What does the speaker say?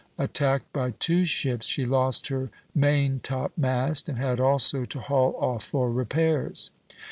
Attacked by two ships, she lost her maintopmast and had also to haul off for repairs."